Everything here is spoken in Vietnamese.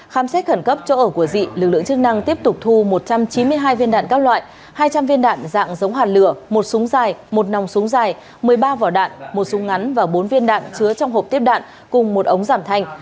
khám xét khẩn cấp chỗ ở của dị lực lượng chức năng tiếp tục thu một trăm chín mươi hai viên đạn các loại hai trăm linh viên đạn dạng giống hàn lửa một súng dài một nòng súng dài một mươi ba vỏ đạn một súng ngắn và bốn viên đạn chứa trong hộp tiếp đạn cùng một ống giảm thanh